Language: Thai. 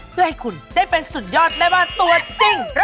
เพื่อให้คุณได้เป็นสุดยอดแม่บ้านตัวจริง